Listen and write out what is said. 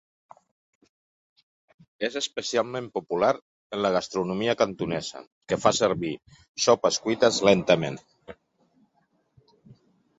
És especialment popular en la gastronomia cantonesa, que fa servir sopes cuites lentament.